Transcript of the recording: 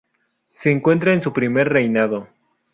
Se encuentra en su primer reinado.